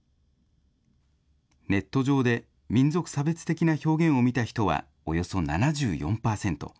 ネット上で民族差別的な表現を見た人はおよそ７４％。